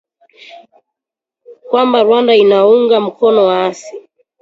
kwamba Rwanda inaunga mkono waasi